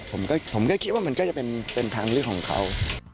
ผมก็คิดว่ามันก็จะเป็นทางเลือกของเขา